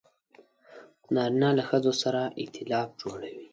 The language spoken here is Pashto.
نارینه له ښځو سره ایتلاف جوړوي.